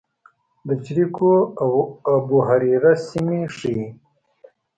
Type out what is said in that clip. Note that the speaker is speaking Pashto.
د جریکو او ابوهریره سیمې ښيي.